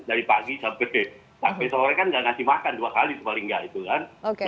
dari pagi sampai sore kan nggak ngasih makan dua kali paling nggak itu kan